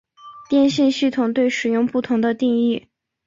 电信系统对使用不同的定义。